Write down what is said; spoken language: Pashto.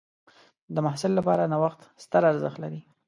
د محصل لپاره نوښت ستر ارزښت لري.